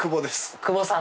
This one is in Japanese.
久保さん